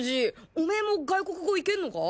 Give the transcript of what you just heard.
オメエも外国語いけんのか？